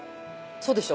そうでしょ？